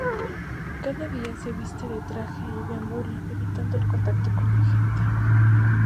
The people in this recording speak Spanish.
Cada día se viste de traje y deambula, evitando el contacto con la gente.